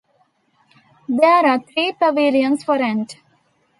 There are three pavilions for rent.